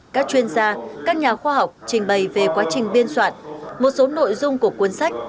các chuyên gia các nhà khoa học trình bày về quá trình biên soạn một số nội dung của cuốn sách